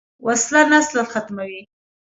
وسله نسل ختموي